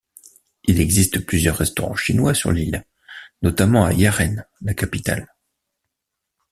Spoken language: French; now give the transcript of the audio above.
Il existe plusieurs restaurants chinois sur l'île, notamment à Yaren, la capitale.